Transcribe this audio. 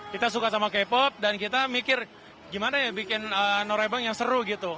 kita suka sama k pop dan kita mikir gimana ya bikin norebang yang seru gitu